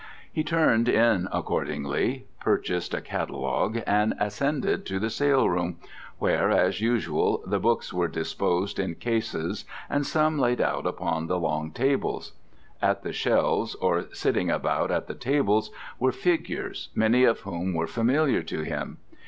He turned in accordingly, purchased a catalogue and ascended to the sale room, where, as usual, the books were disposed in cases and some laid out upon the long tables. At the shelves, or sitting about at the tables, were figures, many of whom were familiar to him.